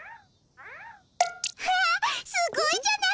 きゃすごいじゃない。